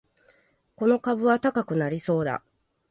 この株は高くなりそうだ